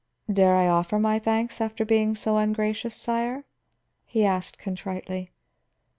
"Dare I offer my thanks after being so ungracious, sire?" he asked contritely.